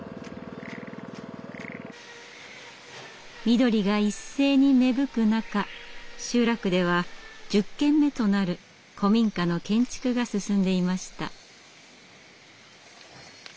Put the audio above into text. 緑が一斉に芽吹く中集落では１０軒目となる古民家の建築が進んでいました。